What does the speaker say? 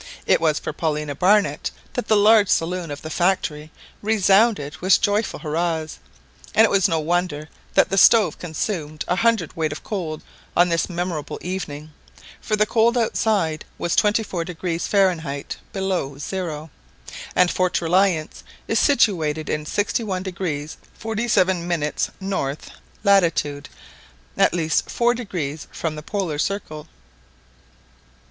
It was for Paulina Barnett that the large saloon of the factory resounded with joyful hurrahs. And it was no wonder that the stove consumed a hundredweight of coal on this memorable evening, for the cold outside was twenty four degrees Fahrenheit below zero, and Fort Reliance is situated in 61° 47' N. Lat., at least four degrees from the Polar circle.